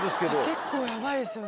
結構ヤバいですよね。